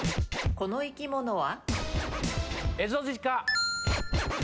この生き物は？